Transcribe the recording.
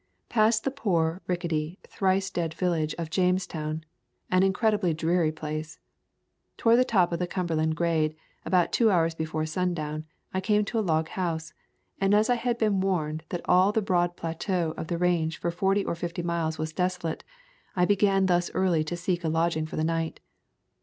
Passed the poor, rickety, thrice dead village of Jamestown, an incredibly dreary place. Toward the top of the Cumberland grade, about two hours before sundown I came to a log house, and as I had been warned that all the broad plateau of the range for forty or fifty miles was desolate, I began thus early to seek a lodging for the night.